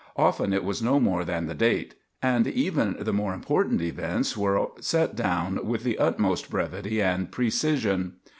Often it was no more than the date, and even the more important events were set down with the utmost brevity and precision.